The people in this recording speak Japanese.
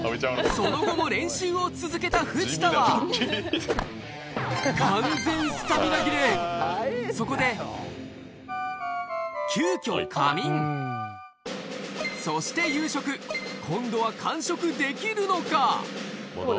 その後も練習を続けた藤田は完全そこで急きょそして夕食今度は完食できるのか？